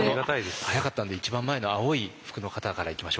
早かったんで一番前の青い服の方からいきましょうか。